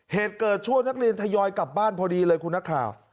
เหตุเกิดช่วงนักเรียนทยอยกลับบ้านพอดีเลยคุณนักข่าว